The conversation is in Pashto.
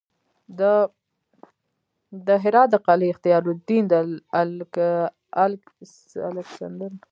د هرات د قلعه اختیارالدین د الکسندر نه تر تیمور پورې کارول شوې